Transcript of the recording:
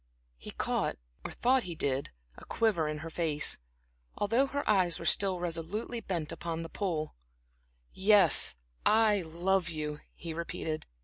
He caught, or thought he did, a quiver in her face, although her eyes were still resolutely bent upon the pool. "Yes, I love you," he repeated.